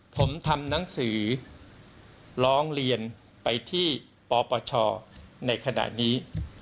ผมทำหนังสือร้องเรียนไปที่ปปชในขณะนี้